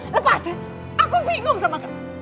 lepas ya aku bingung sama kamu